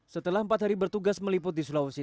setelah empat hari bertugas meliput di sulawesi